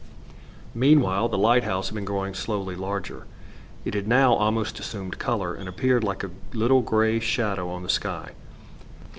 Meanwhile the lighthouse had been growing slowly larger. It had now almost assumed color, and appeared like a little grey shadow on the sky.